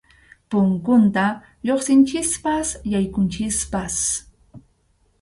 Punkunta lluqsinchikpas yaykunchikpas.